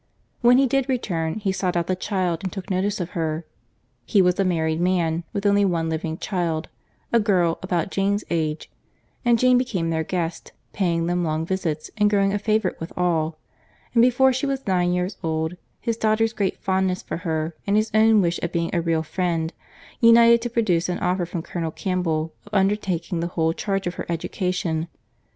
When he did return, he sought out the child and took notice of her. He was a married man, with only one living child, a girl, about Jane's age: and Jane became their guest, paying them long visits and growing a favourite with all; and before she was nine years old, his daughter's great fondness for her, and his own wish of being a real friend, united to produce an offer from Colonel Campbell of undertaking the whole charge of her education.